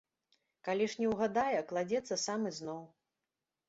Калі ж не ўгадае, кладзецца сам ізноў.